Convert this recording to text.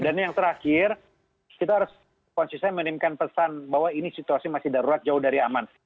dan yang terakhir kita harus konsisten menerimakan pesan bahwa ini situasi masih darurat jauh dari aman